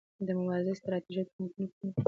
د مبارزې ستراتیژي او تخنیکونه کوم دي؟